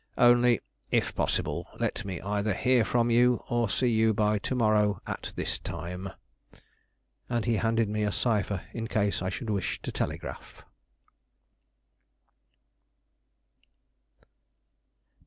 Only, if possible, let me either hear from you or see you by to morrow at this time." And he handed me a cipher in case I should wish to telegraph.